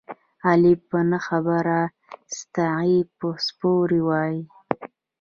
علي په نه خبره ستغې سپورې وايي.